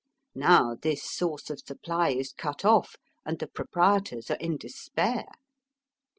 Now this source of supply is cut off, and the proprietors are in despair.